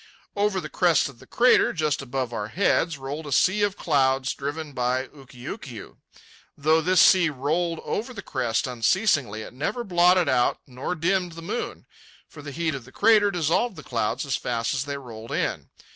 Over the crest of the crater, just above our heads, rolled a sea of clouds, driven on by Ukiukiu. Though this sea rolled over the crest unceasingly, it never blotted out nor dimmed the moon, for the heat of the crater dissolved the clouds as fast as they rolled in.